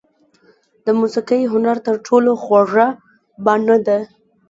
موسیقي د هنر تر ټولو خوږه بڼه ده.